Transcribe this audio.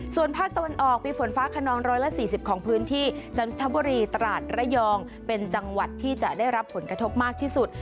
ส่วนภาคตะวันออกมีฝนฟ้าขนอง๑๔๐ของพื้นที่จันทบุรีตราดระยองเป็นจังหวัดที่จะได้รับผลกระทบมากที่สุด